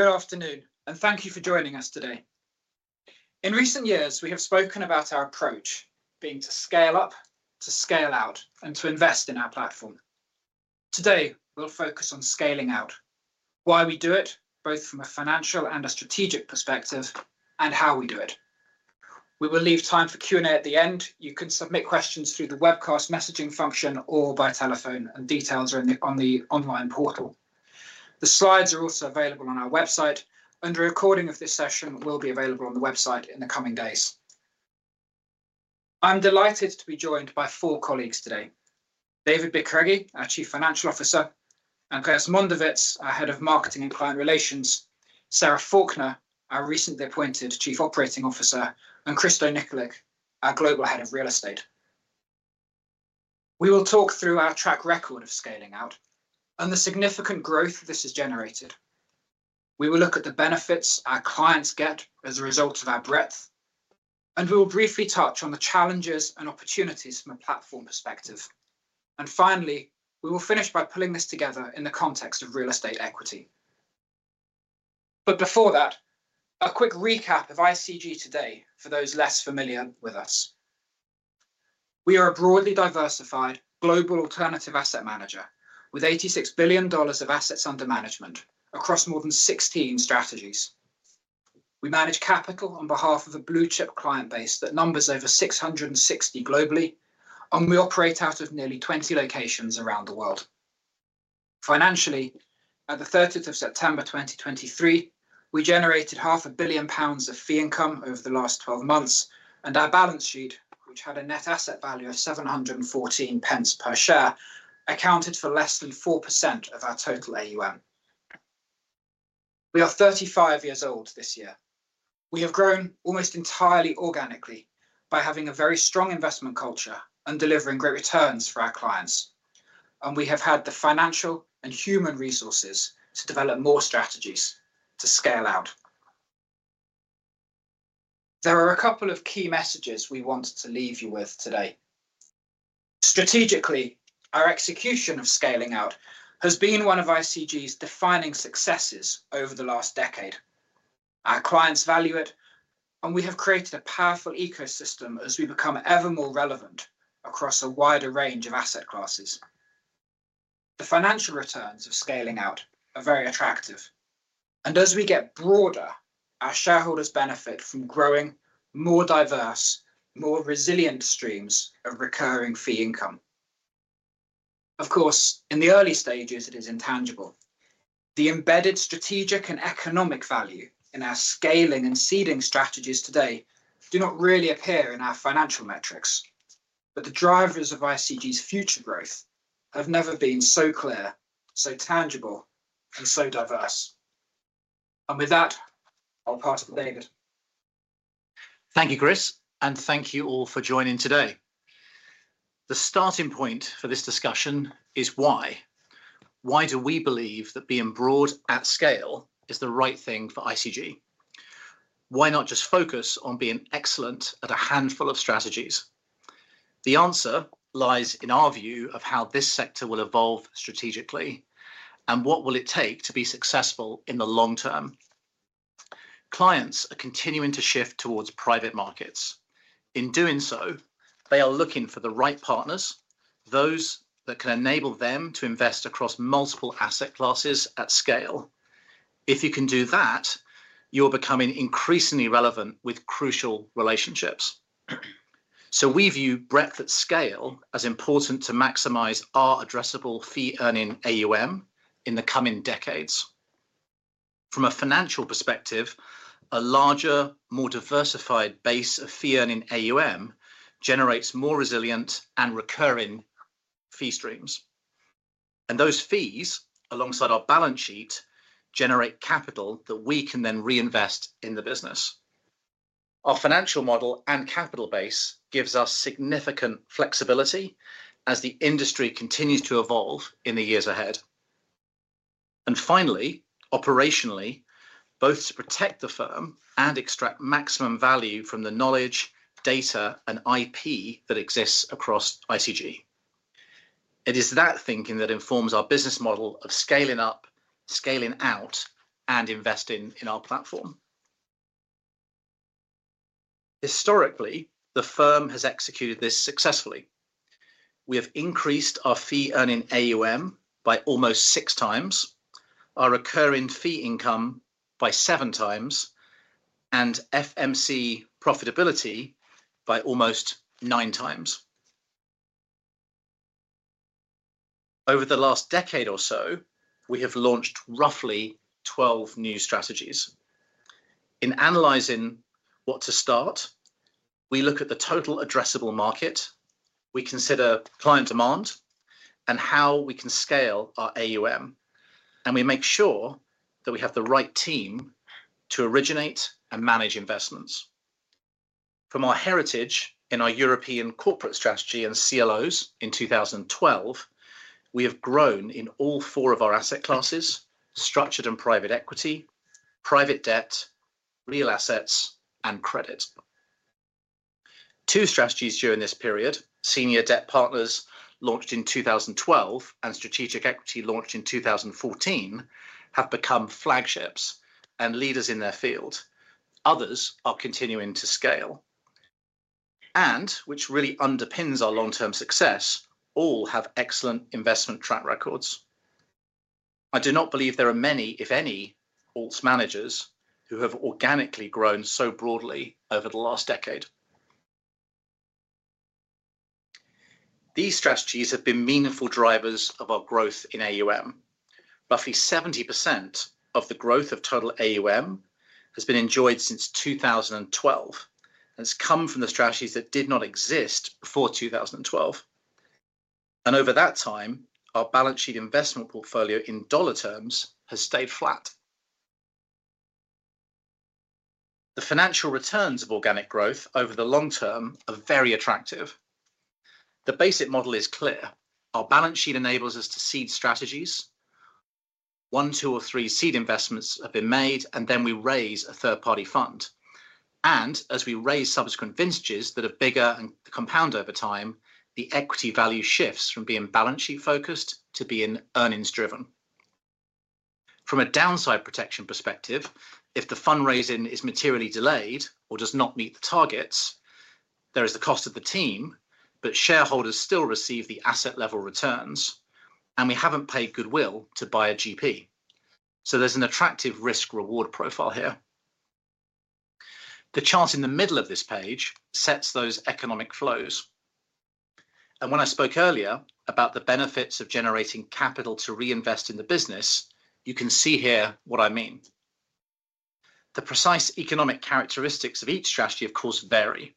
Good afternoon, and thank you for joining us today. In recent years, we have spoken about our approach being to scale up, to scale out, and to invest in our platform. Today we'll focus on scaling out, why we do it both from a financial and a strategic perspective, and how we do it. We will leave time for Q&A at the end. You can submit questions through the webcast messaging function or by telephone, and details are on the online portal. The slides are also available on our website. A recording of this session will be available on the website in the coming days. I'm delighted to be joined by four colleagues today: David Bicarregui, our Chief Financial Officer; Andreas Mondovits, our Head of Marketing and Client Relations; Sarah Faulkner, our recently appointed Chief Operating Officer; and Krysto Nikolic, our Global Head of Real Estate. We will talk through our track record of scaling out and the significant growth this has generated. We will look at the benefits our clients get as a result of our breadth, and we will briefly touch on the challenges and opportunities from a platform perspective. And finally, we will finish by pulling this together in the context of Real Estate Equity. But before that, a quick recap of ICG today for those less familiar with us. We are a broadly diversified global alternative asset manager with $86 billion of assets under management across more than 16 strategies. We manage capital on behalf of a blue-chip client base that numbers over 660 globally, and we operate out of nearly 20 locations around the world. Financially, at the 30th of September 2023, we generated 500 million pounds of fee income over the last 12 months, and our balance sheet, which had a net asset value of 0.714 per share, accounted for less than 4% of our total AUM. We are 35 years old this year. We have grown almost entirely organically by having a very strong investment culture and delivering great returns for our clients, and we have had the financial and human resources to develop more strategies to scale out. There are a couple of key messages we want to leave you with today. Strategically, our execution of scaling out has been one of ICG's defining successes over the last decade. Our clients value it, and we have created a powerful ecosystem as we become ever more relevant across a wider range of asset classes. The financial returns of scaling out are very attractive, and as we get broader, our shareholders benefit from growing more diverse, more resilient streams of recurring fee income. Of course, in the early stages, it is intangible. The embedded strategic and economic value in our scaling and seeding strategies today do not really appear in our financial metrics, but the drivers of ICG's future growth have never been so clear, so tangible, and so diverse. And with that, I'll pass to David. Thank you, Chris, and thank you all for joining today. The starting point for this discussion is why. Why do we believe that being broad at scale is the right thing for ICG? Why not just focus on being excellent at a handful of strategies? The answer lies in our view of how this sector will evolve strategically and what will it take to be successful in the long term. Clients are continuing to shift towards private markets. In doing so, they are looking for the right partners, those that can enable them to invest across multiple asset classes at scale. If you can do that, you're becoming increasingly relevant with crucial relationships. So we view breadth at scale as important to maximize our addressable fee-earning AUM in the coming decades. From a financial perspective, a larger, more diversified base of fee-earning AUM generates more resilient and recurring fee streams. Those fees, alongside our balance sheet, generate capital that we can then reinvest in the business. Our financial model and capital base gives us significant flexibility as the industry continues to evolve in the years ahead. Finally, operationally, both to protect the firm and extract maximum value from the knowledge, data, and IP that exists across ICG. It is that thinking that informs our business model of scaling up, scaling out, and investing in our platform. Historically, the firm has executed this successfully. We have increased our fee-earning AUM by almost 6x, our recurring fee income by 7x, and FMC profitability by almost 9 times. Over the last decade or so, we have launched roughly 12 new strategies. In analyzing what to start, we look at the total addressable market, we consider client demand, and how we can scale our AUM, and we make sure that we have the right team to originate and manage investments. From our heritage in our European corporate strategy and CLOs in 2012, we have grown in all four of our asset classes: Structured and Private Equity, Private Debt, Real Assets, and Credit. Two strategies during this period, Senior Debt Partners launched in 2012 and Strategic Equity launched in 2014, have become flagships and leaders in their field. Others are continuing to scale. And, which really underpins our long-term success, all have excellent investment track records. I do not believe there are many, if any, alts managers who have organically grown so broadly over the last decade. These strategies have been meaningful drivers of our growth in AUM. Roughly 70% of the growth of total AUM has been enjoyed since 2012, and it's come from the strategies that did not exist before 2012. Over that time, our balance sheet investment portfolio in dollar terms has stayed flat. The financial returns of organic growth over the long term are very attractive. The basic model is clear. Our balance sheet enables us to seed strategies. one, two, or three seed investments have been made, and then we raise a third-party fund. As we raise subsequent vintages that are bigger and compound over time, the equity value shifts from being balance sheet focused to being earnings-driven. From a downside protection perspective, if the fundraising is materially delayed or does not meet the targets, there is the cost of the team, but shareholders still receive the asset-level returns, and we haven't paid goodwill to buy a GP. So there's an attractive risk-reward profile here. The chart in the middle of this page sets those economic flows. And when I spoke earlier about the benefits of generating capital to reinvest in the business, you can see here what I mean. The precise economic characteristics of each strategy, of course, vary,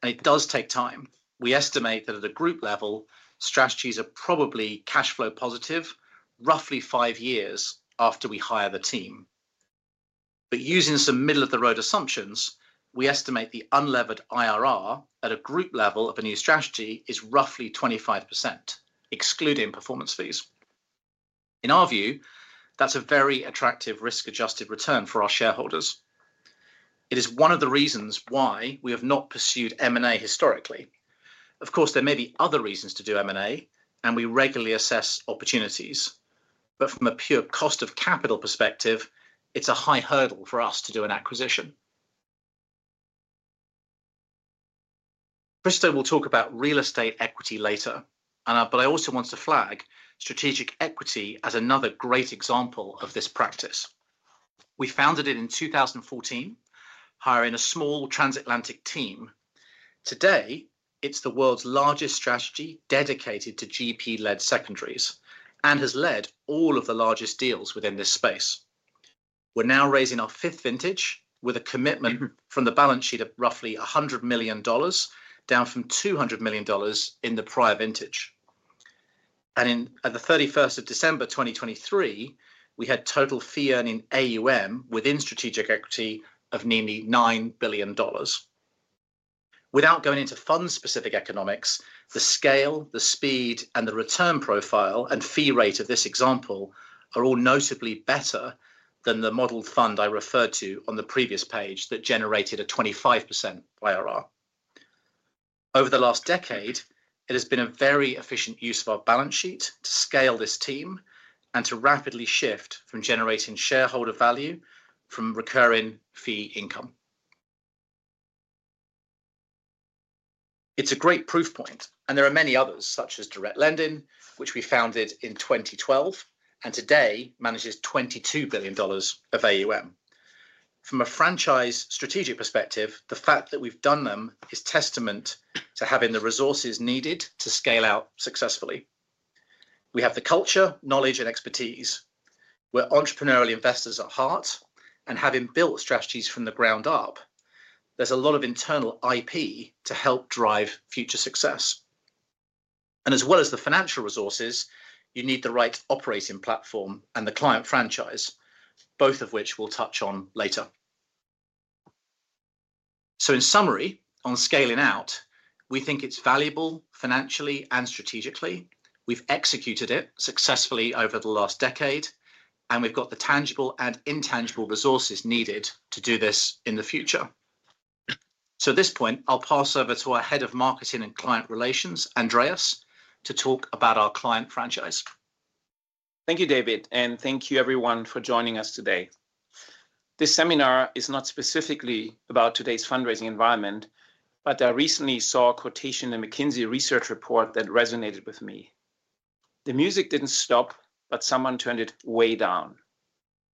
and it does take time. We estimate that at a group level, strategies are probably cash flow positive roughly five years after we hire the team. But using some middle-of-the-road assumptions, we estimate the unlevered IRR at a group level of a new strategy is roughly 25%, excluding performance fees. In our view, that's a very attractive risk-adjusted return for our shareholders. It is one of the reasons why we have not pursued M&A historically. Of course, there may be other reasons to do M&A, and we regularly assess opportunities. From a pure cost-of-capital perspective, it's a high hurdle for us to do an acquisition. Krysto will talk about real estate equity later, but I also want to flag Strategic Equity as another great example of this practice. We founded it in 2014, hiring a small transatlantic team. Today, it's the world's largest strategy dedicated to GP-led Secondaries and has led all of the largest deals within this space. We're now raising our fifth vintage with a commitment from the balance sheet of roughly $100 million down from $200 million in the prior vintage. At the 31st of December 2023, we had total fee-earning AUM within Strategic Equity of nearly $9 billion. Without going into fund-specific economics, the scale, the speed, and the return profile and fee rate of this example are all notably better than the modeled fund I referred to on the previous page that generated a 25% IRR. Over the last decade, it has been a very efficient use of our balance sheet to scale this team and to rapidly shift from generating shareholder value from recurring fee income. It's a great proof point, and there are many others, such as Direct Lending, which we founded in 2012 and today manages $22 billion of AUM. From a franchise strategic perspective, the fact that we've done them is testament to having the resources needed to scale out successfully. We have the culture, knowledge, and expertise. We're entrepreneurial investors at heart and have built strategies from the ground up. There's a lot of internal IP to help drive future success. As well as the financial resources, you need the right operating platform and the client franchise, both of which we'll touch on later. In summary, on scaling out, we think it's valuable financially and strategically. We've executed it successfully over the last decade, and we've got the tangible and intangible resources needed to do this in the future. At this point, I'll pass over to our Head of Marketing and Client Relations, Andreas, to talk about our client franchise. Thank you, David, and thank you, everyone, for joining us today. This seminar is not specifically about today's fundraising environment, but I recently saw a quotation in the McKinsey Research report that resonated with me. "The music didn't stop, but someone turned it way down."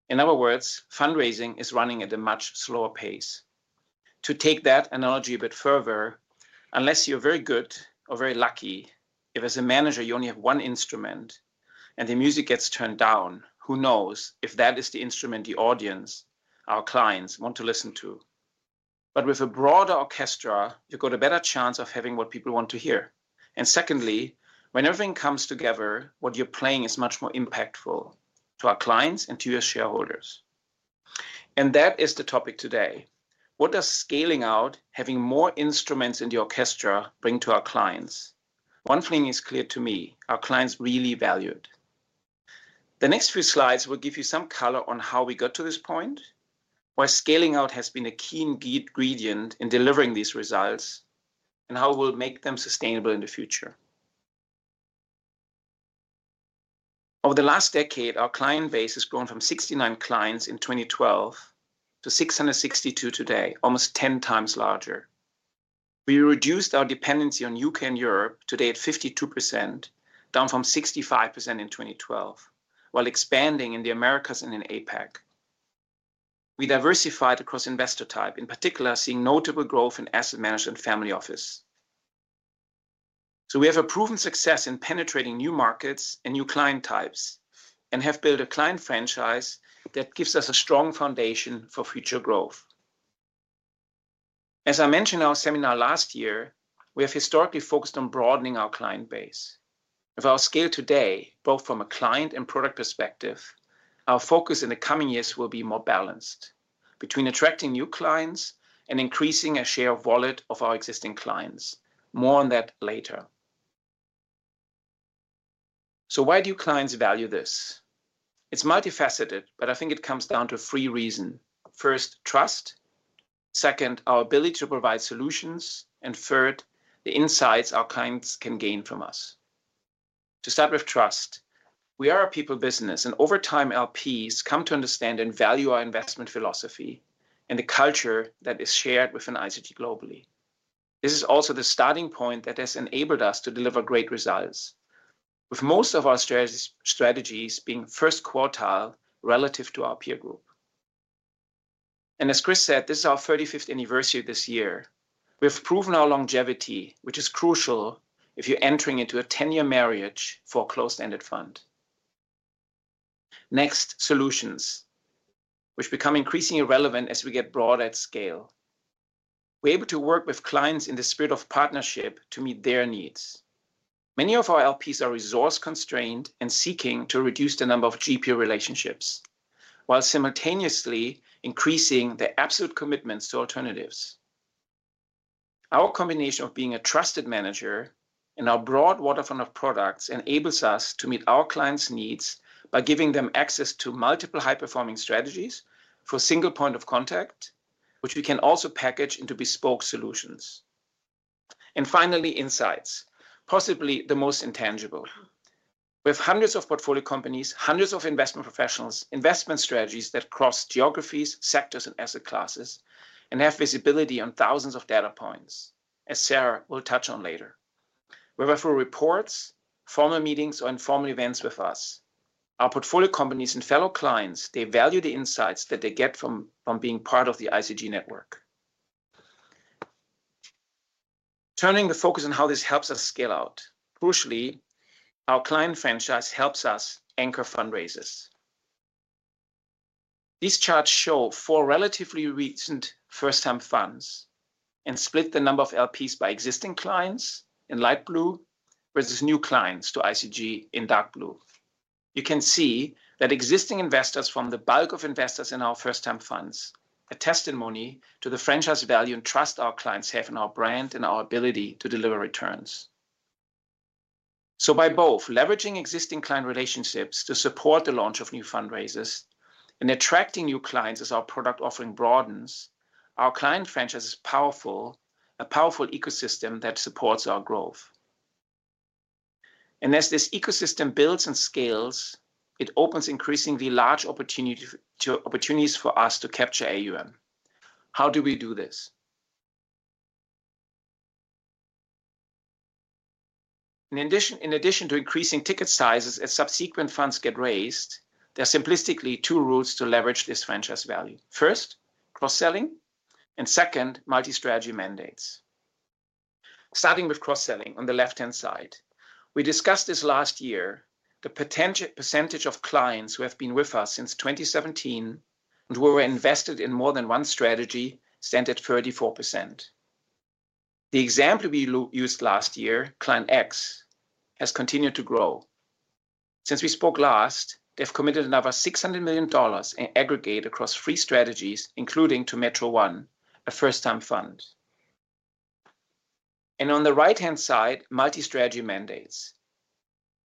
In other words, fundraising is running at a much slower pace. To take that analogy a bit further, unless you're very good or very lucky, if as a manager you only have one instrument and the music gets turned down, who knows if that is the instrument the audience, our clients, want to listen to? But with a broader orchestra, you've got a better chance of having what people want to hear. And secondly, when everything comes together, what you're playing is much more impactful to our clients and to your shareholders. That is the topic today. What does scaling out, having more instruments in the orchestra, bring to our clients? One thing is clear to me: our clients really value it. The next few slides will give you some color on how we got to this point, why scaling out has been a key ingredient in delivering these results, and how it will make them sustainable in the future. Over the last decade, our client base has grown from 69 clients in 2012 to 662 today, almost 10 times larger. We reduced our dependency on UK and Europe today at 52%, down from 65% in 2012, while expanding in the Americas and in APAC. We diversified across investor type, in particular seeing notable growth in asset management family office. So we have a proven success in penetrating new markets and new client types and have built a client franchise that gives us a strong foundation for future growth. As I mentioned in our seminar last year, we have historically focused on broadening our client base. If our scale today, both from a client and product perspective, our focus in the coming years will be more balanced, between attracting new clients and increasing a share of wallet of our existing clients. More on that later. So why do clients value this? It's multifaceted, but I think it comes down to three reasons. First, trust. Second, our ability to provide solutions. And third, the insights our clients can gain from us. To start with trust, we are a people business, and over time, LPs come to understand and value our investment philosophy and the culture that is shared within ICG globally. This is also the starting point that has enabled us to deliver great results, with most of our strategies being first quartile relative to our peer group. And as Chris said, this is our 35th anniversary this year. We have proven our longevity, which is crucial if you're entering into a 10-year marriage for a closed-ended fund. Next, solutions, which become increasingly relevant as we get broader at scale. We're able to work with clients in the spirit of partnership to meet their needs. Many of our LPs are resource-constrained and seeking to reduce the number of GP relationships, while simultaneously increasing their absolute commitments to alternatives. Our combination of being a trusted manager and our broad waterfront of products enables us to meet our clients' needs by giving them access to multiple high-performing strategies for single point of contact, which we can also package into bespoke solutions. Finally, insights, possibly the most intangible. We have hundreds of portfolio companies, hundreds of investment professionals, investment strategies that cross geographies, sectors, and asset classes, and have visibility on thousands of data points, as Sarah will touch on later. We have referral reports, formal meetings, or informal events with us. Our portfolio companies and fellow clients, they value the insights that they get from being part of the ICG network. Turning the focus on how this helps us scale out. Crucially, our client franchise helps us anchor fundraisers. These charts show four relatively recent first-time funds and split the number of LPs by existing clients in light blue versus new clients to ICG in dark blue. You can see that existing investors form the bulk of investors in our first-time funds, a testimony to the franchise value and trust our clients have in our brand and our ability to deliver returns. So by both leveraging existing client relationships to support the launch of new fundraisers and attracting new clients as our product offering broadens, our client franchise is powerful, a powerful ecosystem that supports our growth. And as this ecosystem builds and scales, it opens increasingly large opportunities for us to capture AUM. How do we do this? In addition to increasing ticket sizes as subsequent funds get raised, there are simplistically two routes to leverage this franchise value. First, cross-selling. And second, multi-strategy mandates. Starting with cross-selling on the left-hand side. We discussed this last year. The percentage of clients who have been with us since 2017 and who were invested in more than one strategy stands at 34%. The example we used last year, Client X, has continued to grow. Since we spoke last, they've committed another $600 million aggregate across three strategies, including to Metro One, a first-time fund. On the right-hand side, multi-strategy mandates.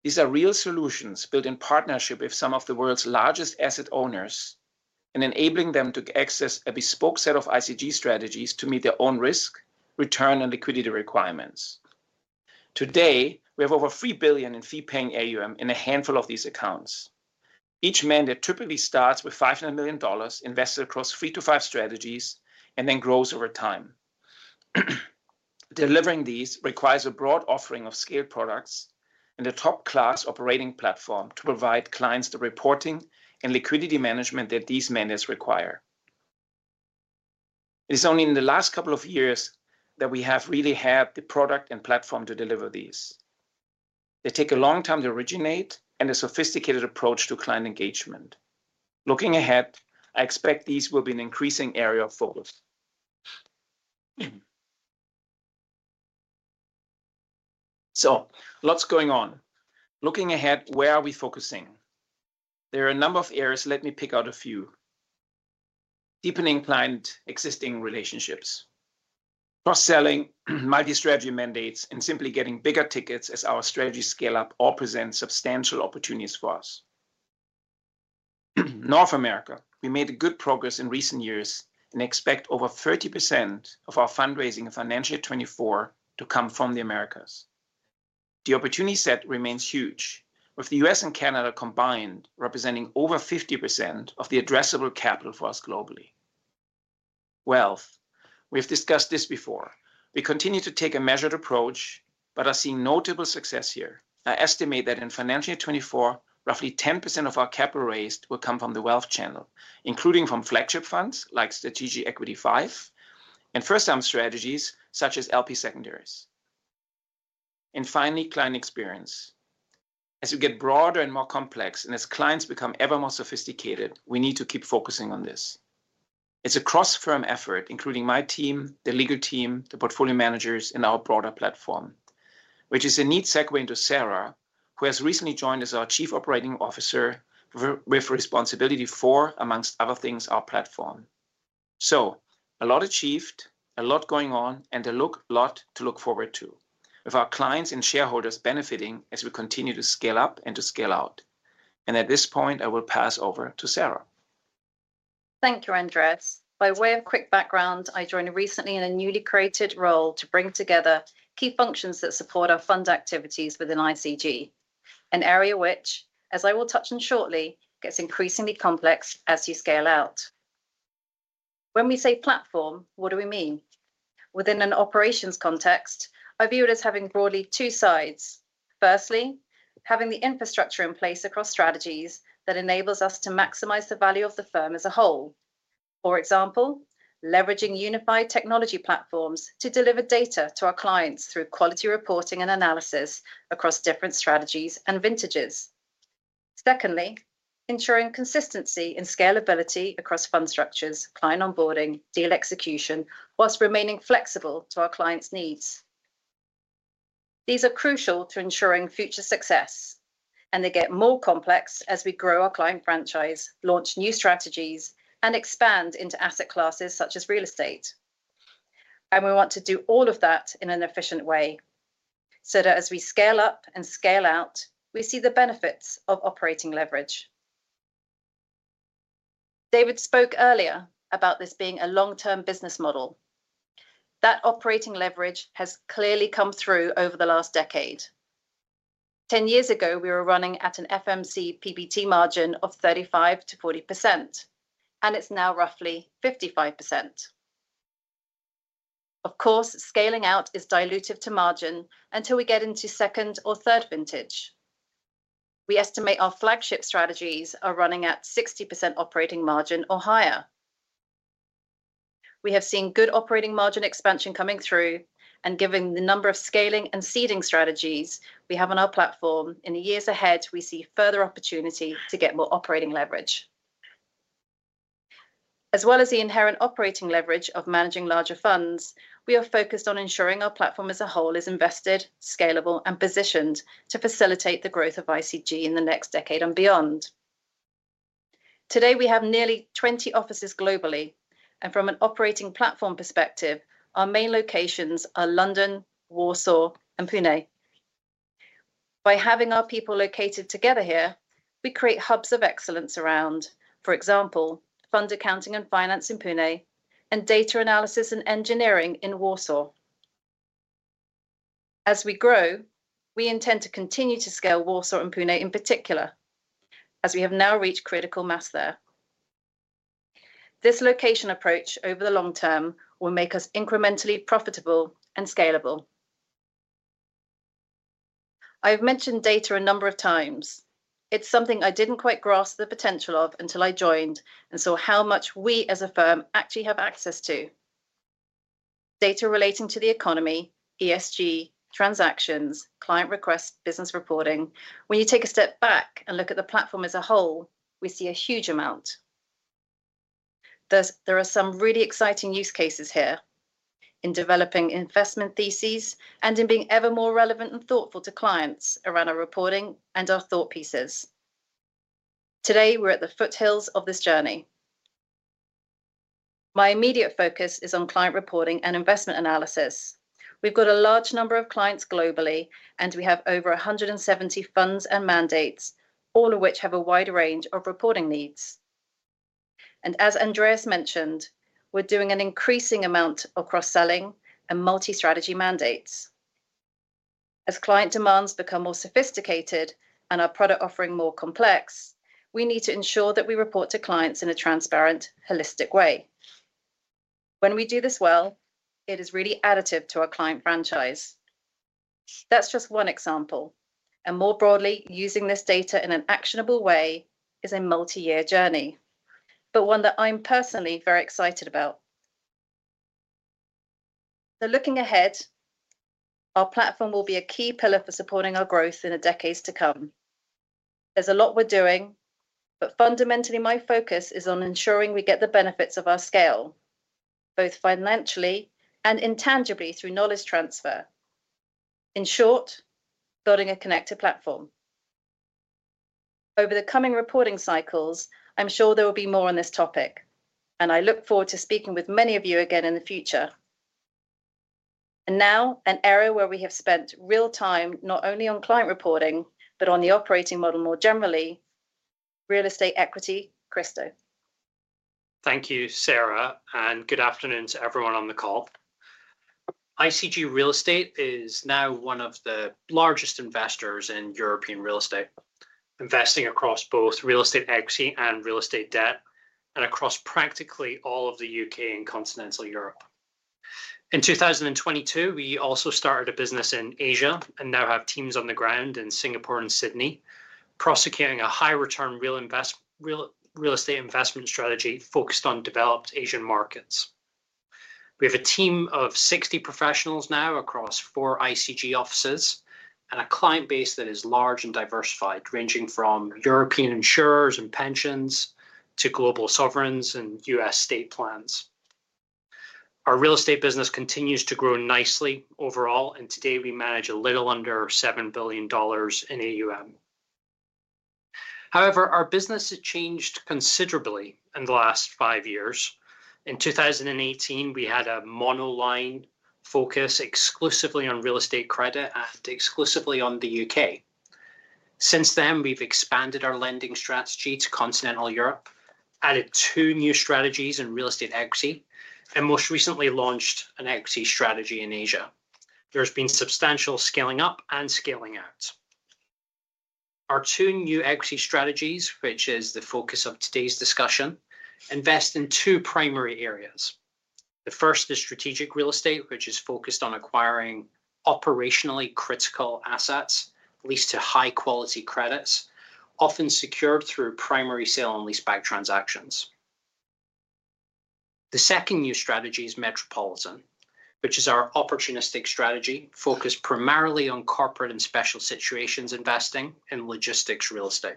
These are real solutions built in partnership with some of the world's largest asset owners and enabling them to access a bespoke set of ICG strategies to meet their own risk, return, and liquidity requirements. Today, we have over $3 billion in fee-paying AUM in a handful of these accounts. Each mandate typically starts with $500 million invested across three to five strategies and then grows over time. Delivering these requires a broad offering of scaled products and a top-class operating platform to provide clients the reporting and liquidity management that these mandates require. It is only in the last couple of years that we have really had the product and platform to deliver these. They take a long time to originate and a sophisticated approach to client engagement. Looking ahead, I expect these will be an increasing area of focus. So lots going on. Looking ahead, where are we focusing? There are a number of areas. Let me pick out a few. Deepening client existing relationships. Cross-selling, multi-strategy mandates, and simply getting bigger tickets as our strategies scale up or present substantial opportunities for us. North America, we made good progress in recent years and expect over 30% of our fundraising in financial year 2024 to come from the Americas. The opportunity set remains huge, with the U.S. and Canada combined representing over 50% of the addressable capital for us globally. Wealth, we have discussed this before. We continue to take a measured approach but are seeing notable success here. I estimate that in financial year 2024, roughly 10% of our capital raised will come from the wealth channel, including from flagship funds like Strategic Equity V and first-time strategies such as LP Secondaries. And finally, client experience. As we get broader and more complex and as clients become ever more sophisticated, we need to keep focusing on this. It's a cross-firm effort, including my team, the legal team, the portfolio managers, and our broader platform, which is a neat segue into Sarah, who has recently joined as our Chief Operating Officer with responsibility for, among other things, our platform. So a lot achieved, a lot going on, and a lot to look forward to, with our clients and shareholders benefiting as we continue to scale up and to scale out. At this point, I will pass over to Sarah. Thank you, Andreas. By way of quick background, I joined recently in a newly created role to bring together key functions that support our fund activities within ICG, an area which, as I will touch on shortly, gets increasingly complex as you scale out. When we say platform, what do we mean? Within an operations context, I view it as having broadly two sides. Firstly, having the infrastructure in place across strategies that enables us to maximize the value of the firm as a whole. For example, leveraging unified technology platforms to deliver data to our clients through quality reporting and analysis across different strategies and vintages. Secondly, ensuring consistency in scalability across fund structures, client onboarding, deal execution, while remaining flexible to our clients' needs. These are crucial to ensuring future success, and they get more complex as we grow our client franchise, launch new strategies, and expand into asset classes such as real estate. We want to do all of that in an efficient way so that as we scale up and scale out, we see the benefits of operating leverage. David spoke earlier about this being a long-term business model. That operating leverage has clearly come through over the last decade. 10 years ago, we were running at an FMC PBT margin of 35%-40%, and it's now roughly 55%. Of course, scaling out is dilutive to margin until we get into second or third vintage. We estimate our flagship strategies are running at 60% operating margin or higher. We have seen good operating margin expansion coming through, and given the number of scaling and seeding strategies we have on our platform, in the years ahead, we see further opportunity to get more operating leverage. As well as the inherent operating leverage of managing larger funds, we are focused on ensuring our platform as a whole is invested, scalable, and positioned to facilitate the growth of ICG in the next decade and beyond. Today, we have nearly 20 offices globally, and from an operating platform perspective, our main locations are London, Warsaw, and Pune. By having our people located together here, we create hubs of excellence around, for example, fund accounting and finance in Pune and data analysis and engineering in Warsaw. As we grow, we intend to continue to scale Warsaw and Pune in particular, as we have now reached critical mass there. This location approach over the long term will make us incrementally profitable and scalable. I have mentioned data a number of times. It's something I didn't quite grasp the potential of until I joined and saw how much we as a firm actually have access to. Data relating to the economy, ESG, transactions, client requests, business reporting, when you take a step back and look at the platform as a whole, we see a huge amount. There are some really exciting use cases here in developing investment theses and in being ever more relevant and thoughtful to clients around our reporting and our thought pieces. Today, we're at the foothills of this journey. My immediate focus is on client reporting and investment analysis. We've got a large number of clients globally, and we have over 170 funds and mandates, all of which have a wide range of reporting needs. As Andreas mentioned, we're doing an increasing amount of cross-selling and multi-strategy mandates. As client demands become more sophisticated and our product offering more complex, we need to ensure that we report to clients in a transparent, holistic way. When we do this well, it is really additive to our client franchise. That's just one example. More broadly, using this data in an actionable way is a multi-year journey, but one that I'm personally very excited about. Looking ahead, our platform will be a key pillar for supporting our growth in the decades to come. There's a lot we're doing, but fundamentally, my focus is on ensuring we get the benefits of our scale, both financially and intangibly through knowledge transfer. In short, building a connected platform. Over the coming reporting cycles, I'm sure there will be more on this topic, and I look forward to speaking with many of you again in the future. Now, an area where we have spent real time not only on client reporting but on the operating model more generally, real estate equity, Krysto. Thank you, Sarah, and good afternoon to everyone on the call. ICG Real Estate is now one of the largest investors in European real estate, investing across both real estate equity and real estate debt and across practically all of the U.K. and continental Europe. In 2022, we also started a business in Asia and now have teams on the ground in Singapore and Sydney prosecuting a high-return real estate investment strategy focused on developed Asian markets. We have a team of 60 professionals now across four ICG offices and a client base that is large and diversified, ranging from European insurers and pensions to global sovereigns and U.S. state plans. Our real estate business continues to grow nicely overall, and today we manage a little under $7 billion in AUM. However, our business has changed considerably in the last five years. In 2018, we had a monoline focus exclusively on real estate credit and exclusively on the UK. Since then, we've expanded our lending strategy to continental Europe, added two new strategies in real estate equity, and most recently launched an equity strategy in Asia. There has been substantial scaling up and scaling out. Our two new equity strategies, which is the focus of today's discussion, invest in two primary areas. The first is Strategic Real Estate, which is focused on acquiring operationally critical assets, leased to high-quality credits, often secured through primary sale and leaseback transactions. The second new strategy is Metropolitan, which is our opportunistic strategy focused primarily on corporate and special situations investing in logistics real estate.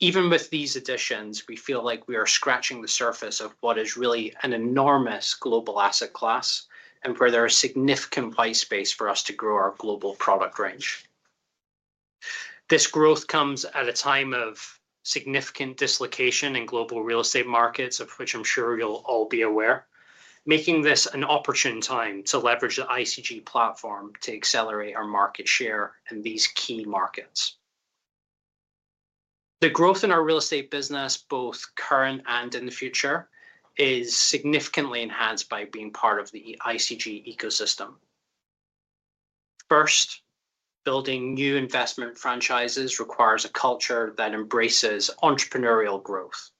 Even with these additions, we feel like we are scratching the surface of what is really an enormous global asset class and where there is significant white space for us to grow our global product range. This growth comes at a time of significant dislocation in global real estate markets, of which I'm sure you'll all be aware, making this an opportune time to leverage the ICG platform to accelerate our market share in these key markets. The growth in our real estate business, both current and in the future, is significantly enhanced by being part of the ICG ecosystem. First, building new investment franchises requires a culture that embraces entrepreneurial growth.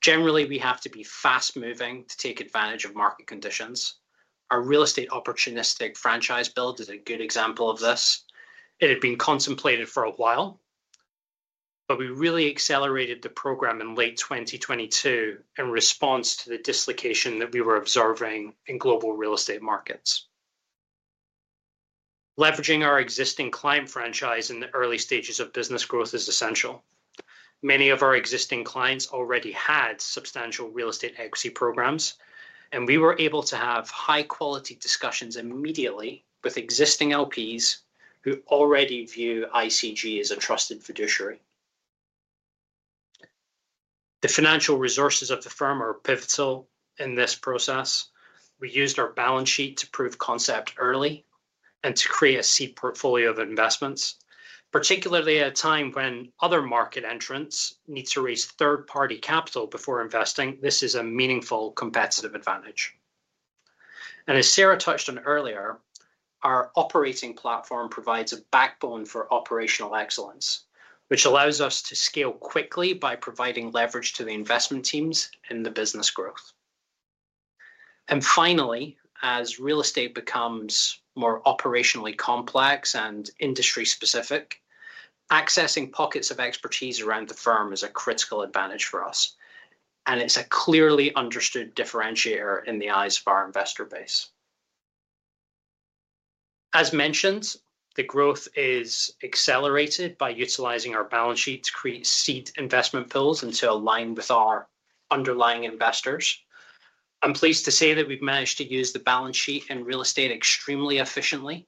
Generally, we have to be fast-moving to take advantage of market conditions. Our real estate opportunistic franchise build is a good example of this. It had been contemplated for a while, but we really accelerated the program in late 2022 in response to the dislocation that we were observing in global real estate markets. Leveraging our existing client franchise in the early stages of business growth is essential. Many of our existing clients already had substantial real estate equity programs, and we were able to have high-quality discussions immediately with existing LPs who already view ICG as a trusted fiduciary. The financial resources of the firm are pivotal in this process. We used our balance sheet to prove concept early and to create a seed portfolio of investments, particularly at a time when other market entrants need to raise third-party capital before investing. This is a meaningful competitive advantage. As Sarah touched on earlier, our operating platform provides a backbone for operational excellence, which allows us to scale quickly by providing leverage to the investment teams in the business growth. Finally, as real estate becomes more operationally complex and industry-specific, accessing pockets of expertise around the firm is a critical advantage for us, and it's a clearly understood differentiator in the eyes of our investor base. As mentioned, the growth is accelerated by utilizing our balance sheet to create seed investment pools and to align with our underlying investors. I'm pleased to say that we've managed to use the balance sheet in real estate extremely efficiently.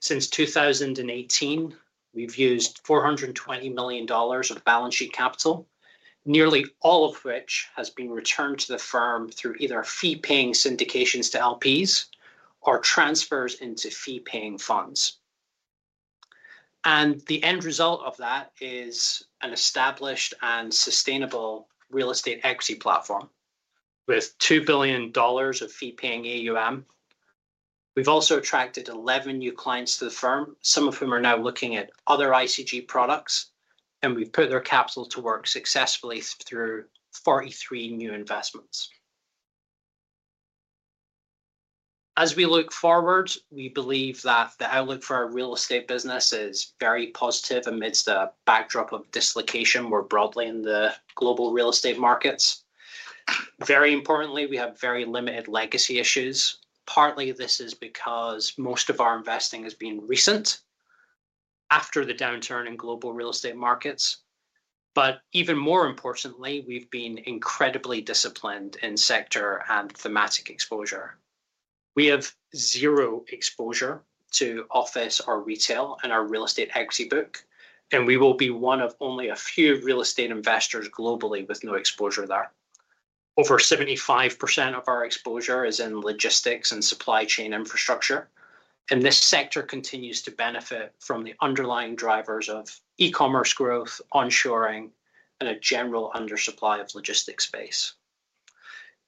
Since 2018, we've used $420 million of balance sheet capital, nearly all of which has been returned to the firm through either fee-paying syndications to LPs or transfers into fee-paying funds. The end result of that is an established and sustainable real estate equity platform with $2 billion of fee-paying AUM. We've also attracted 11 new clients to the firm, some of whom are now looking at other ICG products, and we've put their capital to work successfully through 43 new investments. As we look forward, we believe that the outlook for our real estate business is very positive amidst a backdrop of dislocation more broadly in the global real estate markets. Very importantly, we have very limited legacy issues. Partly, this is because most of our investing has been recent after the downturn in global real estate markets. Even more importantly, we've been incredibly disciplined in sector and thematic exposure. We have zero exposure to office or retail in our real estate equity book, and we will be one of only a few real estate investors globally with no exposure there. Over 75% of our exposure is in logistics and supply chain infrastructure. This sector continues to benefit from the underlying drivers of e-commerce growth, onshoring, and a general undersupply of logistics space.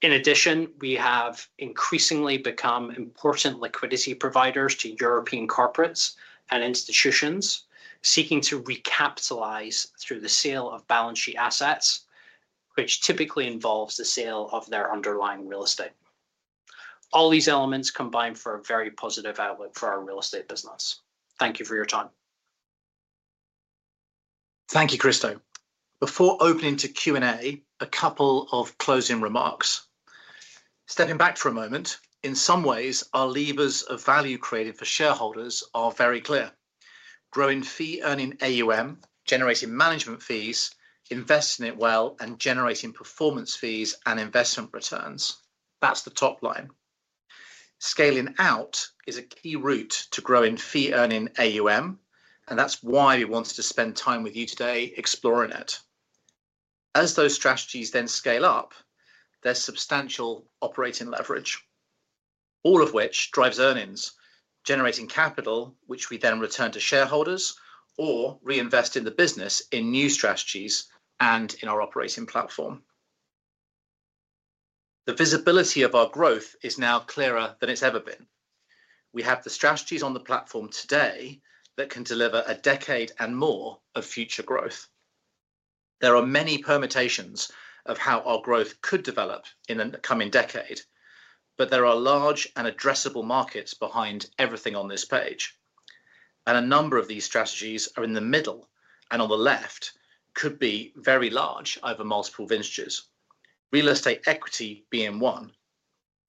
In addition, we have increasingly become important liquidity providers to European corporates and institutions seeking to recapitalise through the sale of balance sheet assets, which typically involves the sale of their underlying real estate. All these elements combine for a very positive outlook for our real estate business. Thank you for your time. Thank you, Krysto. Before opening to Q&A, a couple of closing remarks. Stepping back for a moment, in some ways, our levers of value created for shareholders are very clear. Growing fee-earning AUM, generating management fees, investing it well, and generating performance fees and investment returns, that's the top line. Scaling out is a key route to growing fee-earning AUM, and that's why we wanted to spend time with you today exploring it. As those strategies then scale up, there's substantial operating leverage, all of which drives earnings, generating capital, which we then return to shareholders or reinvest in the business in new strategies and in our operating platform. The visibility of our growth is now clearer than it's ever been. We have the strategies on the platform today that can deliver a decade and more of future growth. There are many permutations of how our growth could develop in the coming decade, but there are large and addressable markets behind everything on this page. And a number of these strategies are in the middle and on the left could be very large over multiple vintages, real estate equity being one.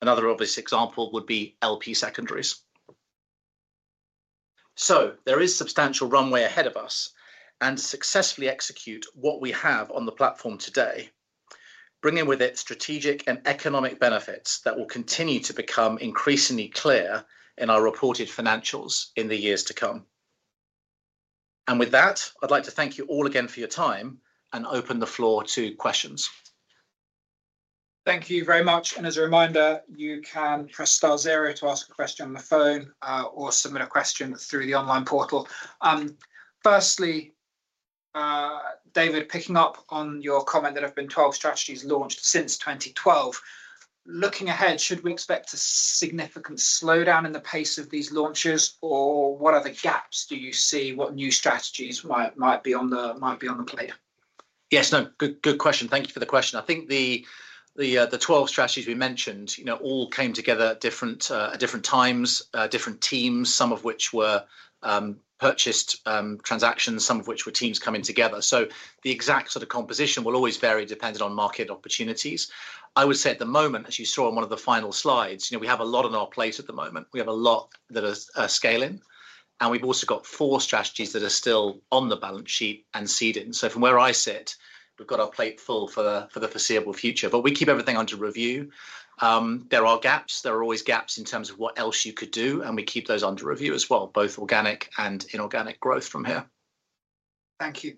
Another obvious example would be LP Secondaries. So there is substantial runway ahead of us and to successfully execute what we have on the platform today, bringing with it strategic and economic benefits that will continue to become increasingly clear in our reported financials in the years to come. And with that, I'd like to thank you all again for your time and open the floor to questions. Thank you very much. As a reminder, you can press star zero to ask a question on the phone or submit a question through the online portal. Firstly, David, picking up on your comment that have been 12 strategies launched since 2012, looking ahead, should we expect a significant slowdown in the pace of these launches, or what other gaps do you see? What new strategies might be on the plate? Yes. No, good question. Thank you for the question. I think the 12 strategies we mentioned all came together at different times, different teams, some of which were purchased transactions, some of which were teams coming together. So the exact sort of composition will always vary depending on market opportunities. I would say at the moment, as you saw in one of the final slides, we have a lot on our plate at the moment. We have a lot that are scaling, and we've also got four strategies that are still on the balance sheet and seeded. So from where I sit, we've got our plate full for the foreseeable future, but we keep everything under review. There are gaps. There are always gaps in terms of what else you could do, and we keep those under review as well, both organic and inorganic growth from here. Thank you.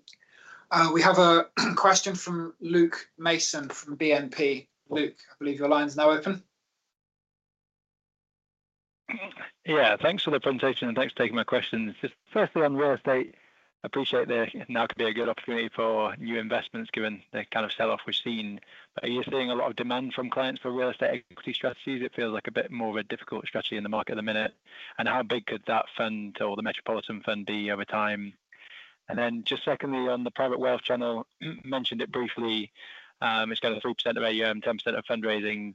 We have a question from Luke Mason from BNP. Luke, I believe your line's now open. Yeah. Thanks for the presentation and thanks for taking my questions. Just firstly, on real estate, I appreciate there now could be a good opportunity for new investments given the kind of selloff we've seen. But are you seeing a lot of demand from clients for real estate equity strategies? It feels like a bit more of a difficult strategy in the market at the minute. And how big could that fund or the Metropolitan fund be over time? And then just secondly, on the Private Wealth Channel, mentioned it briefly, it's got 3% of AUM, 10% of fundraising.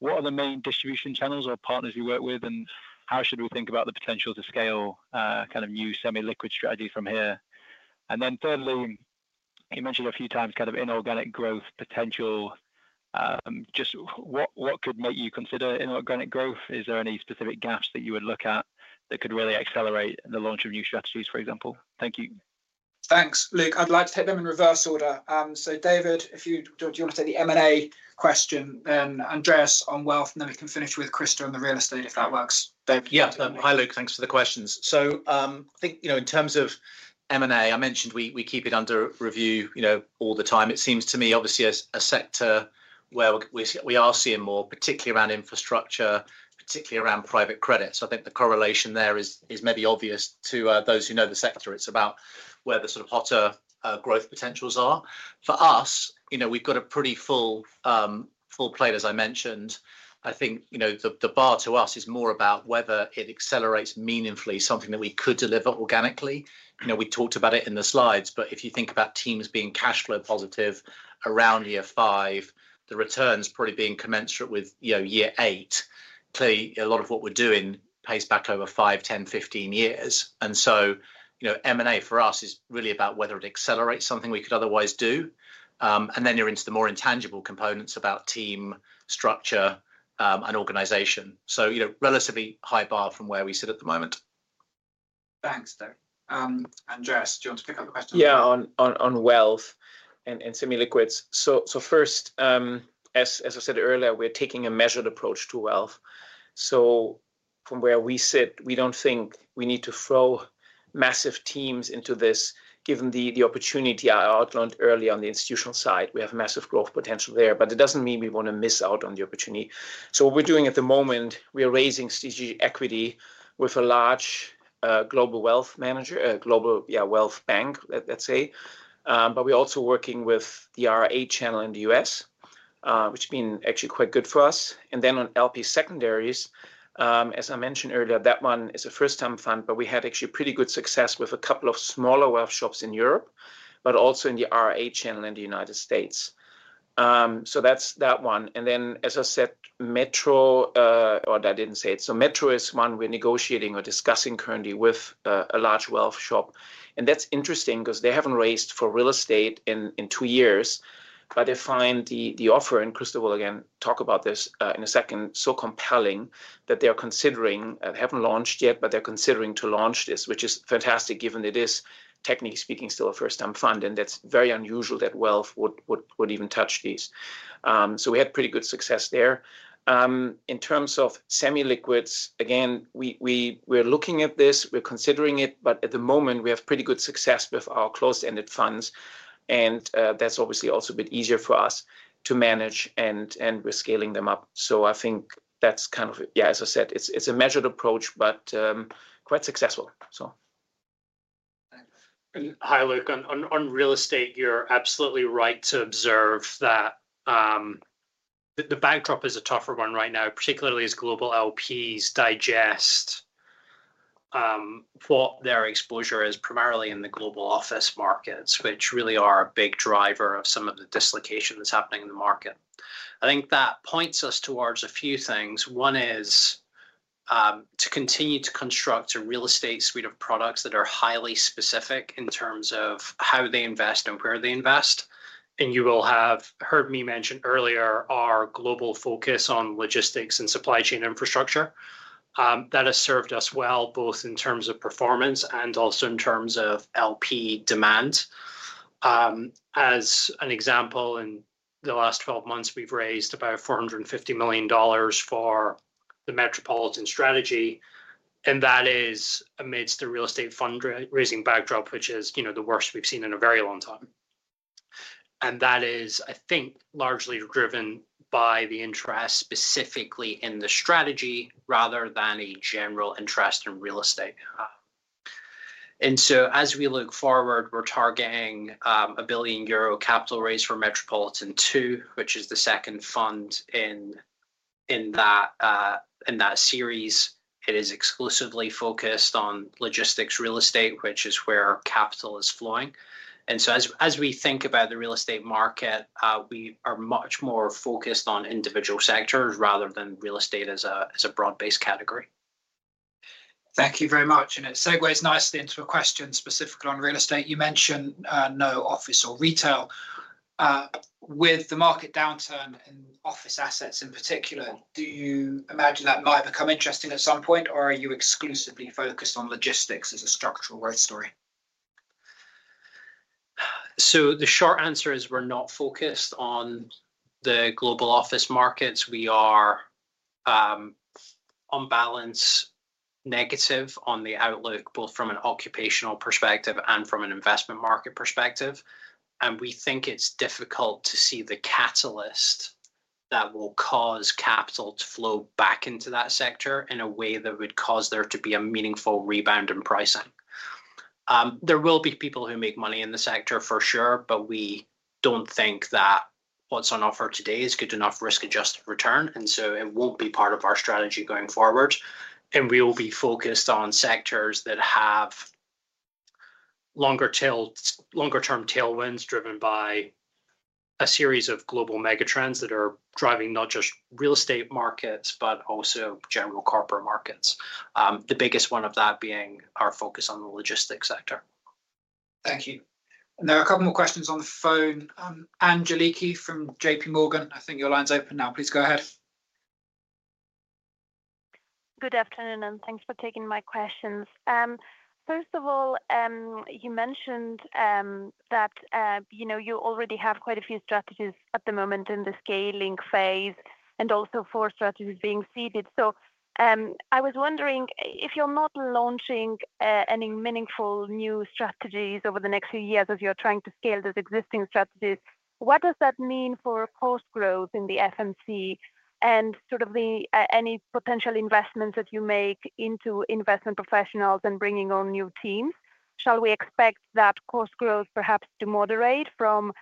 What are the main distribution channels or partners you work with, and how should we think about the potential to scale kind of new semi-liquid strategies from here? And then thirdly, you mentioned a few times kind of inorganic growth potential. Just what could make you consider inorganic growth? Is there any specific gaps that you would look at that could really accelerate the launch of new strategies, for example? Thank you. Thanks, Luke. I'd like to take them in reverse order. So David, do you want to take the M&A question, then Andreas on wealth, and then we can finish with Krysto on the real estate if that works? Yeah. Hi, Luke. Thanks for the questions. So I think in terms of M&A, I mentioned we keep it under review all the time. It seems to me, obviously, a sector where we are seeing more, particularly around infrastructure, particularly around private credit. So I think the correlation there is maybe obvious to those who know the sector. It's about where the sort of hotter growth potentials are. For us, we've got a pretty full plate, as I mentioned. I think the bar to us is more about whether it accelerates meaningfully something that we could deliver organically. We talked about it in the slides, but if you think about teams being cash flow positive around year five, the returns probably being commensurate with year eight. Clearly, a lot of what we're doing pays back over five, 10, 15 years. M&A for us is really about whether it accelerates something we could otherwise do. Then you're into the more intangible components about team structure and organization. Relatively high bar from where we sit at the moment. Thanks, David. Andreas, do you want to pick up the question? Yeah. On wealth and semi-liquids. So first, as I said earlier, we're taking a measured approach to wealth. So from where we sit, we don't think we need to throw massive teams into this, given the opportunity I outlined earlier on the institutional side. We have massive growth potential there, but it doesn't mean we want to miss out on the opportunity. So what we're doing at the moment, we are raising Strategic Equity with a large global wealth manager, a global, yeah, wealth bank, let's say. But we're also working with the RIA channel in the U.S., which has been actually quite good for us. And then on LP Secondaries, as I mentioned earlier, that one is a first-time fund, but we had actually pretty good success with a couple of smaller wealth shops in Europe, but also in the RIA channel in the United States. So that's that one. And then, as I said, Metro or I didn't say it. So Metro is one we're negotiating or discussing currently with a large wealth shop. And that's interesting because they haven't raised for real estate in two years, but they find the offer, and Krysto will again talk about this in a second, so compelling that they are considering they haven't launched yet, but they're considering to launch this, which is fantastic given it is, technically speaking, still a first-time fund. And that's very unusual that wealth would even touch these. So we had pretty good success there. In terms of semi-liquids, again, we're looking at this. We're considering it, but at the moment, we have pretty good success with our closed-ended funds. And that's obviously also a bit easier for us to manage, and we're scaling them up. So I think that's kind of it. Yeah, as I said, it's a measured approach, but quite successful, so. Thanks. And hi, Luke. On real estate, you're absolutely right to observe that the bank drop is a tougher one right now, particularly as global LPs digest what their exposure is primarily in the global office markets, which really are a big driver of some of the dislocation that's happening in the market. I think that points us towards a few things. One is to continue to construct a real estate suite of products that are highly specific in terms of how they invest and where they invest. And you will have heard me mention earlier our global focus on logistics and supply chain infrastructure. That has served us well both in terms of performance and also in terms of LP demand. As an example, in the last 12 months, we've raised about $450 million for the Metropolitan strategy. That is amidst the real estate fundraising backdrop, which is the worst we've seen in a very long time. That is, I think, largely driven by the interest specifically in the strategy rather than a general interest in real estate. So as we look forward, we're targeting 1 billion euro capital raise for Metropolitan II, which is the second fund in that series. It is exclusively focused on logistics, real estate, which is where capital is flowing. So as we think about the real estate market, we are much more focused on individual sectors rather than real estate as a broad-based category. Thank you very much. It segues nicely into a question specifically on real estate. You mentioned no office or retail. With the market downturn and office assets in particular, do you imagine that might become interesting at some point, or are you exclusively focused on logistics as a structural growth story? The short answer is we're not focused on the global office markets. We are unbalanced negative on the outlook, both from an occupational perspective and from an investment market perspective. We think it's difficult to see the catalyst that will cause capital to flow back into that sector in a way that would cause there to be a meaningful rebound in pricing. There will be people who make money in the sector, for sure, but we don't think that what's on offer today is good enough risk-adjusted return. So it won't be part of our strategy going forward. We will be focused on sectors that have longer-term tailwinds driven by a series of global megatrends that are driving not just real estate markets, but also general corporate markets, the biggest one of that being our focus on the logistics sector. Thank you. There are a couple more questions on the phone. Angeliki from JP Morgan, I think your line's open now. Please go ahead. Good afternoon, and thanks for taking my questions. First of all, you mentioned that you already have quite a few strategies at the moment in the scaling phase and also four strategies being seeded. So I was wondering, if you're not launching any meaningful new strategies over the next few years as you're trying to scale those existing strategies, what does that mean for cost growth in the FMC and sort of any potential investments that you make into investment professionals and bringing on new teams? Shall we expect that cost growth perhaps to moderate from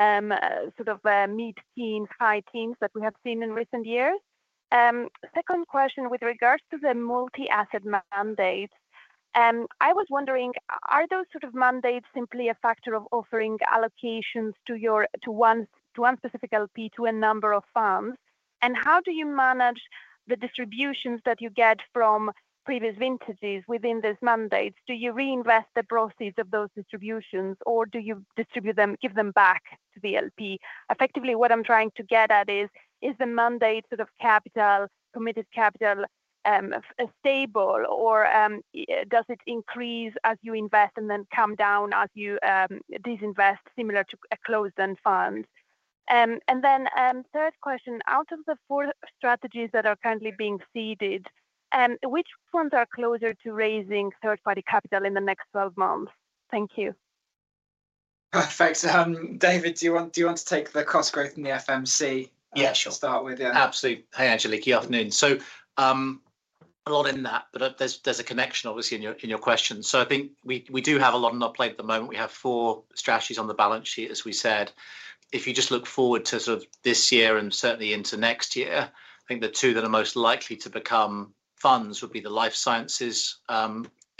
sort of mid-teens, high teens that we have seen in recent years? Second question with regards to the multi-asset mandates. I was wondering, are those sort of mandates simply a factor of offering allocations to one specific LP to a number of funds? And how do you manage the distributions that you get from previous vintages within those mandates? Do you reinvest the proceeds of those distributions, or do you distribute them, give them back to the LP? Effectively, what I'm trying to get at is, is the mandate sort of capital, committed capital, stable, or does it increase as you invest and then come down as you disinvest, similar to closed-end funds? And then third question, out of the four strategies that are currently being seeded, which funds are closer to raising third-party capital in the next 12 months? Thank you. Thanks. David, do you want to take the cost growth in the FMC to start with? Yeah, sure. Absolutely. Hey, Angeliki, afternoon. So a lot in that, but there's a connection, obviously, in your question. So I think we do have a lot on our plate at the moment. We have four strategies on the balance sheet, as we said. If you just look forward to sort of this year and certainly into next year, I think the two that are most likely to become funds would be the life sciences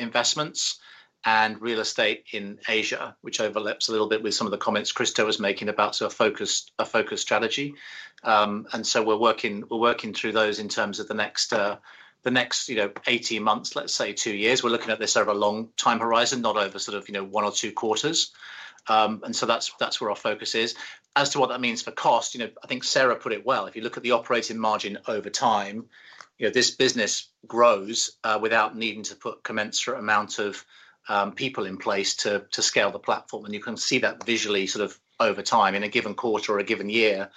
investments and real estate in Asia, which overlaps a little bit with some of the comments Krysto was making about sort of a focused strategy. And so we're working through those in terms of the next 18 months, let's say, two years. We're looking at this over a long time horizon, not over sort of one or two quarters. And so that's where our focus is. As to what that means for cost, I think Sarah put it well. If you look at the operating margin over time, this business grows without needing to put a commensurate amount of people in place to scale the platform. You can see that visually sort of over time in a given quarter or a given year,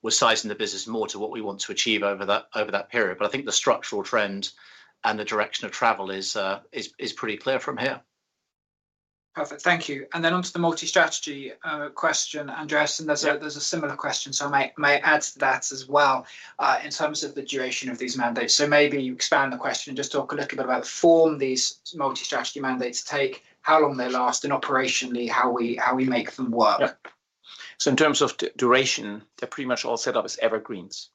we're sizing the business more to what we want to achieve over that period. I think the structural trend and the direction of travel is pretty clear from here. Perfect. Thank you. And then onto the multi-strategy question, Andreas. And there's a similar question, so I may add to that as well in terms of the duration of these mandates. So maybe you expand the question and just talk a little bit about the form these multi-strategy mandates take, how long they last, and operationally, how we make them work. Yeah. So in terms of duration, they're pretty much all set up as evergreens.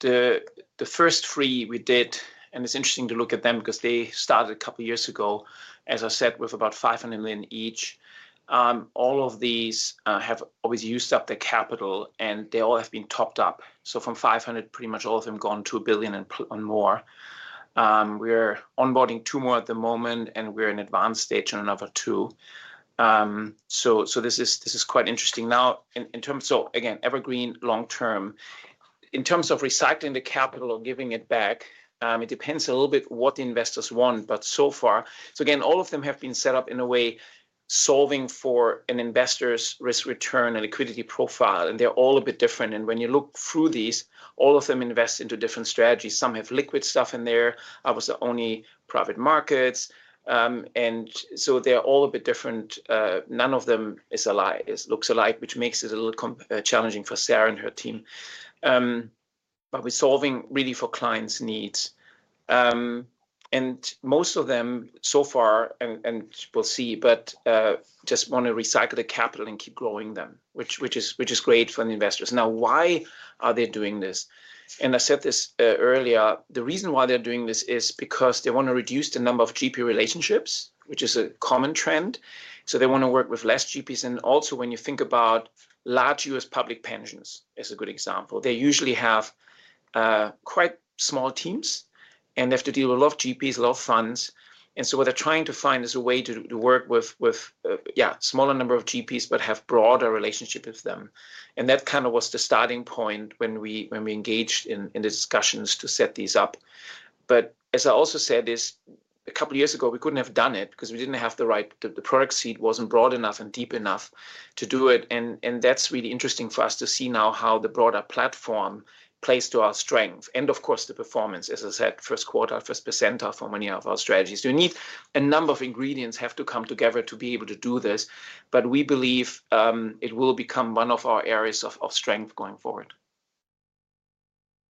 The first three we did, and it's interesting to look at them because they started a couple of years ago, as I said, with about 500 million each. All of these have always used up their capital, and they all have been topped up. So from 500 million, pretty much all of them gone to 1 billion and more. We're onboarding two more at the moment, and we're in advanced stage on another two. So this is quite interesting. Now, in terms of so again, evergreen, long-term. In terms of recycling the capital or giving it back, it depends a little bit what the investors want, but so far so again, all of them have been set up in a way solving for an investor's risk return and liquidity profile. And they're all a bit different. When you look through these, all of them invest into different strategies. Some have liquid stuff in there. I was the only. Private markets. And so they're all a bit different. None of them looks alike, which makes it a little challenging for Sarah and her team. But we're solving really for clients' needs. And most of them so far, and we'll see, but just want to recycle the capital and keep growing them, which is great for the investors. Now, why are they doing this? And I said this earlier. The reason why they're doing this is because they want to reduce the number of GP relationships, which is a common trend. So they want to work with less GPs. And also, when you think about large U.S. public pensions, as a good example, they usually have quite small teams, and they have to deal with a lot of GPs, a lot of funds. And so what they're trying to find is a way to work with, yeah, a smaller number of GPs, but have broader relationships with them. And that kind of was the starting point when we engaged in the discussions to set these up. But as I also said, a couple of years ago, we couldn't have done it because we didn't have the right product suite wasn't broad enough and deep enough to do it. And that's really interesting for us to see now how the broader platform plays to our strength. And of course, the performance, as I said, first quartile, first percentile for many of our strategies. So you need a number of ingredients have to come together to be able to do this. But we believe it will become one of our areas of strength going forward.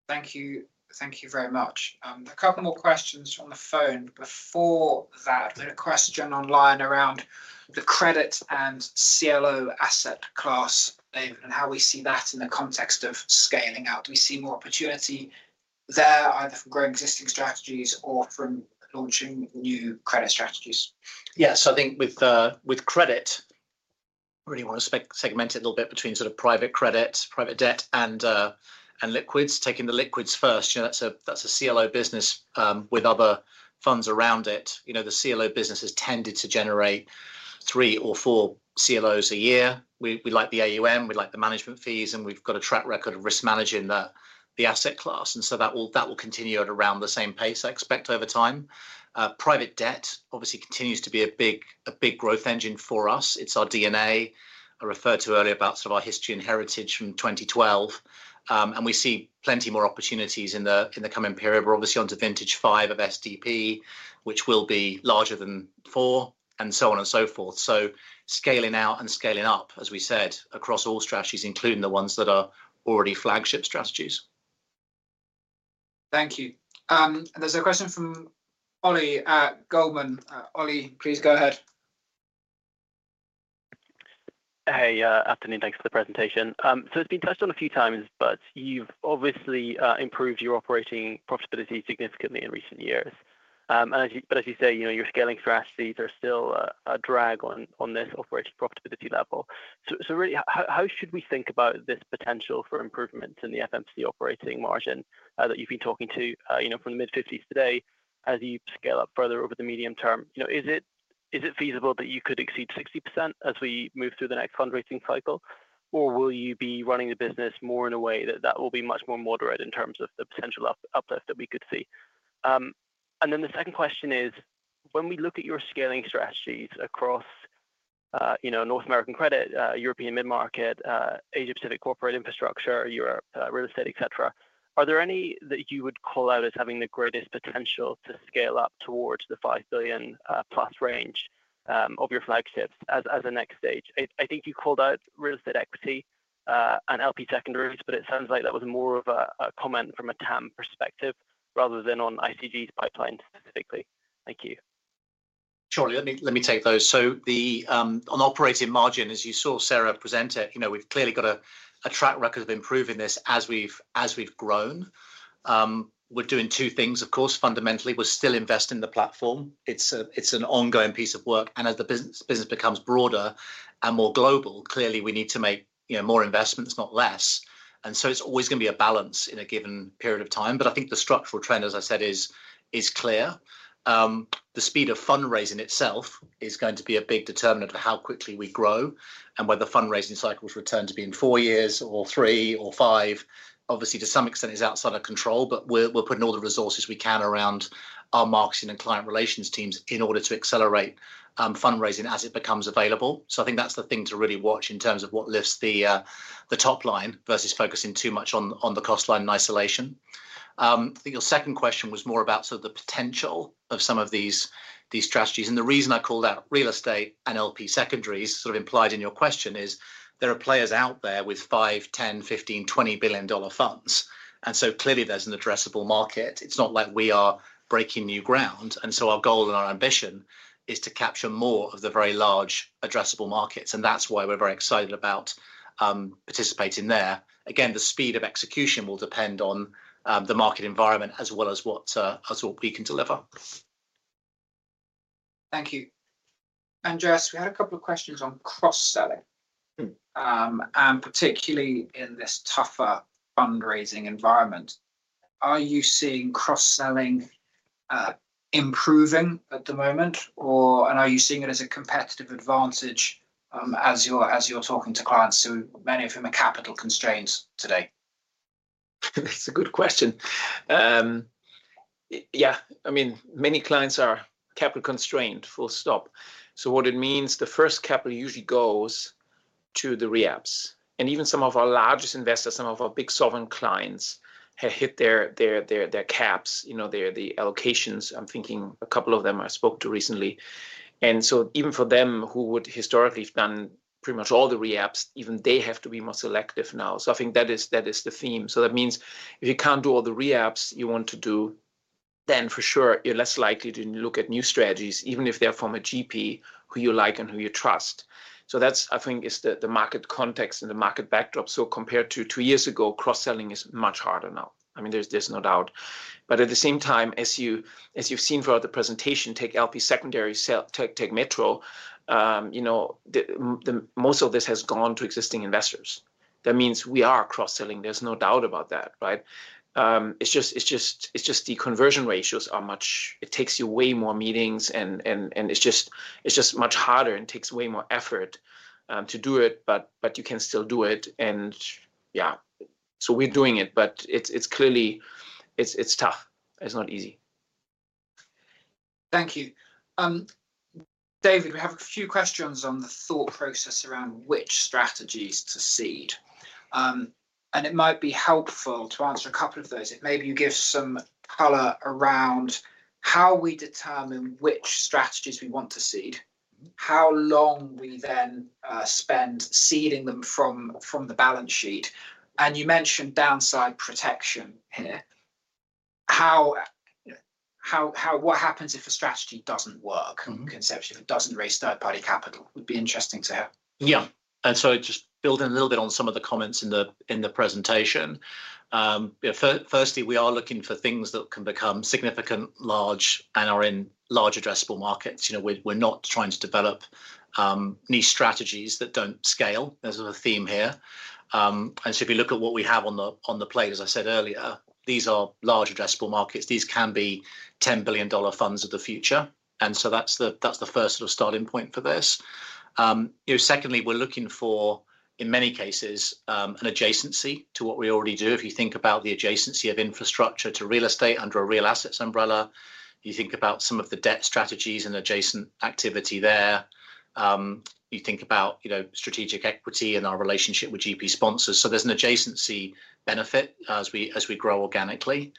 Thank you. Thank you very much. A couple more questions on the phone. Before that, a question online around the credit and CLO asset class, David, and how we see that in the context of scaling out. Do we see more opportunity there, either from growing existing strategies or from launching new credit strategies? Yeah. So I think with credit, I really want to segment it a little bit between sort of private credit, private debt, and liquids, taking the liquids first. That's a CLO business with other funds around it. The CLO business tended to generate three or four CLOs a year. We like the AUM. We like the management fees, and we've got a track record of risk managing the asset class. And so that will continue at around the same pace, I expect, over time. Private debt, obviously, continues to be a big growth engine for us. It's our DNA. I referred to earlier about sort of our history and heritage from 2012. And we see plenty more opportunities in the coming period. We're obviously onto vintage 5 of SDP, which will be larger than 4, and so on and so forth. Scaling out and scaling up, as we said, across all strategies, including the ones that are already flagship strategies. Thank you. There's a question from Ollie Goldman. Ollie, please go ahead. Hey, afternoon. Thanks for the presentation. So it's been touched on a few times, but you've obviously improved your operating profitability significantly in recent years. But as you say, your scaling strategies are still a drag on this operating profitability level. So really, how should we think about this potential for improvements in the FMC operating margin that you've been talking to from the mid-50s today as you scale up further over the medium term? Is it feasible that you could exceed 60% as we move through the next fundraising cycle, or will you be running the business more in a way that that will be much more moderate in terms of the potential uplift that we could see? And then the second question is, when we look at your scaling strategies across North American Credit, European Mid-Market, Asia-Pacific Corporate, Infrastructure, Europe Real Estate, etc., are there any that you would call out as having the greatest potential to scale up towards the $5 billion+ range of your flagships as a next stage? I think you called out real estate equity and LP Secondaries, but it sounds like that was more of a comment from a TAM perspective rather than on ICG's pipeline specifically. Thank you. Surely. Let me take those. So on operating margin, as you saw Sarah present it, we've clearly got a track record of improving this as we've grown. We're doing two things, of course. Fundamentally, we're still investing in the platform. It's an ongoing piece of work. And as the business becomes broader and more global, clearly, we need to make more investments, not less. And so it's always going to be a balance in a given period of time. But I think the structural trend, as I said, is clear. The speed of fundraising itself is going to be a big determinant of how quickly we grow and whether fundraising cycles return to be in four years or three or five. Obviously, to some extent, it's outside of control, but we're putting all the resources we can around our marketing and client relations teams in order to accelerate fundraising as it becomes available. So I think that's the thing to really watch in terms of what lifts the top line versus focusing too much on the cost line in isolation. I think your second question was more about sort of the potential of some of these strategies. And the reason I called out real estate and LP Secondaries sort of implied in your question is there are players out there with $5 billion, $10 billion, $15 billion, $20 billion funds. And so clearly, there's an addressable market. It's not like we are breaking new ground. And so our goal and our ambition is to capture more of the very large addressable markets. And that's why we're very excited about participating there. Again, the speed of execution will depend on the market environment as well as what we can deliver. Thank you. Andreas, we had a couple of questions on cross-selling, and particularly in this tougher fundraising environment. Are you seeing cross-selling improving at the moment, and are you seeing it as a competitive advantage as you're talking to clients, so many of whom are capital constrained today? That's a good question. Yeah. I mean, many clients are capital constrained, full stop. What it means, the first capital usually goes to the re-ups. Even some of our largest investors, some of our big sovereign clients, have hit their caps, the allocations. I'm thinking a couple of them I spoke to recently. Even for them who would historically have done pretty much all the re-ups, even they have to be more selective now. I think that is the theme. That means if you can't do all the re-ups you want to do, then for sure, you're less likely to look at new strategies, even if they're from a GP who you like and who you trust. That's, I think, the market context and the market backdrop. Compared to two years ago, cross-selling is much harder now. I mean, there's no doubt. But at the same time, as you've seen throughout the presentation, take LP Secondaries, take Metro, most of this has gone to existing investors. That means we are cross-selling. There's no doubt about that, right? It's just the conversion ratios are much it takes you way more meetings, and it's just much harder and takes way more effort to do it, but you can still do it. And yeah, so we're doing it, but it's clearly tough. It's not easy. Thank you. David, we have a few questions on the thought process around which strategies to seed. It might be helpful to answer a couple of those if maybe you give some color around how we determine which strategies we want to seed, how long we then spend seeding them from the balance sheet. You mentioned downside protection here. What happens if a strategy doesn't work, conceptually, if it doesn't raise third-party capital? Would be interesting to hear? Yeah. Just building a little bit on some of the comments in the presentation. Firstly, we are looking for things that can become significant, large, and are in large addressable markets. We're not trying to develop new strategies that don't scale. There's a theme here. So if you look at what we have on the plate, as I said earlier, these are large addressable markets. These can be $10 billion funds of the future. So that's the first sort of starting point for this. Secondly, we're looking for, in many cases, an adjacency to what we already do. If you think about the adjacency of infrastructure to real estate under a Real Assets umbrella, you think about some of the debt strategies and adjacent activity there. You think about Strategic Equity and our relationship with GP sponsors. So there's an adjacency benefit as we grow organically.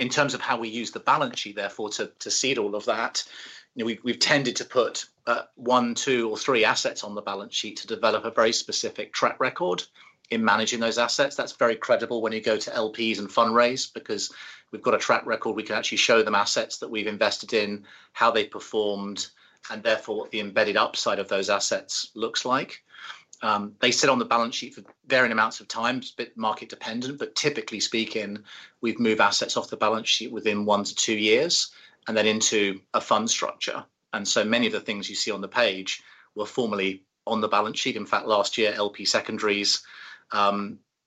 In terms of how we use the balance sheet, therefore, to seed all of that, we've tended to put 1, two, or three assets on the balance sheet to develop a very specific track record in managing those assets. That's very credible when you go to LPs and fundraise because we've got a track record. We can actually show them assets that we've invested in, how they've performed, and therefore what the embedded upside of those assets looks like. They sit on the balance sheet for varying amounts of time. It's a bit market-dependent. But typically speaking, we've moved assets off the balance sheet within one to two years and then into a fund structure. And so many of the things you see on the page were formerly on the balance sheet. In fact, last year, LP Secondaries,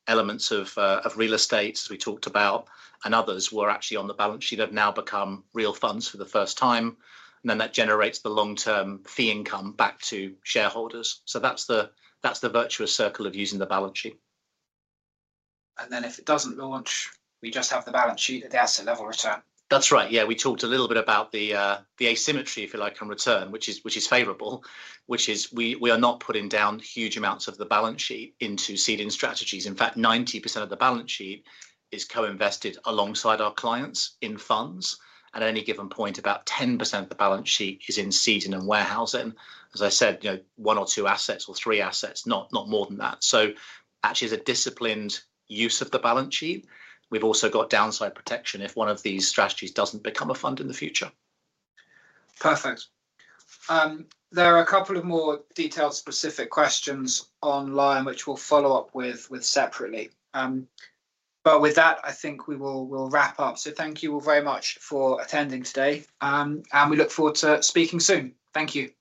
elements of real estate, as we talked about, and others were actually on the balance sheet. They've now become real funds for the first time. And then that generates the long-term fee income back to shareholders. So that's the virtuous circle of using the balance sheet. And then, if it doesn't launch, we just have the balance sheet at the asset level return. That's right. Yeah. We talked a little bit about the asymmetry, if you like, and return, which is favourable, which is we are not putting down huge amounts of the balance sheet into seeding strategies. In fact, 90% of the balance sheet is co-invested alongside our clients in funds. At any given point, about 10% of the balance sheet is in seeding and warehousing. As I said, one or two assets or three assets, not more than that. So actually, it's a disciplined use of the balance sheet. We've also got downside protection if one of these strategies doesn't become a fund in the future. Perfect. There are a couple of more detailed specific questions online, which we'll follow up with separately. But with that, I think we will wrap up. So thank you all very much for attending today, and we look forward to speaking soon. Thank you.